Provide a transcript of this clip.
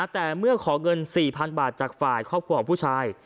แต่เมื่อขอเงิน๔๐๐๐บาทจากฝ่ายครอบครัวของผู้ชาย